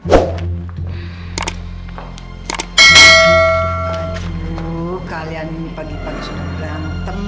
aduh kalian ini pagi pagi sudah berantem